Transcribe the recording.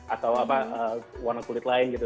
atau apa warna kulit lain gitu